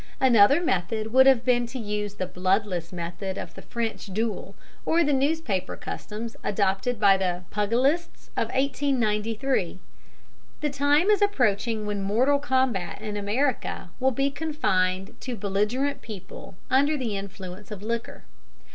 Another method would have been to use the bloodless method of the French duel, or the newspaper customs adopted by the pugilists of 1893. The time is approaching when mortal combat in America will be confined to belligerent people under the influence of liquor.